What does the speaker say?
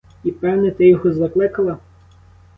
І, певне, ти його закликала?